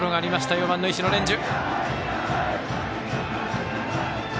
４番の石野蓮授。